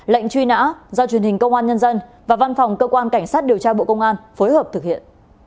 lệnh truy nã do truyền hình công an nhân dân và văn phòng cơ quan cảnh sát điều tra bộ công an phối hợp thực hiện